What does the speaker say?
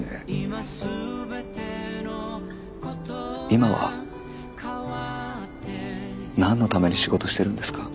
今は何のために仕事してるんですか？